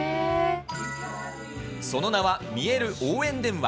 その名はみえる応援電話。